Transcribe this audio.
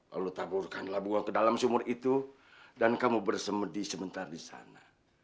lalu taburkan labu lapu ke dalam sumur itu dan kamu bersemedi sebentar di sana